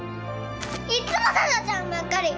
「いっつもさとちゃんばっかり！」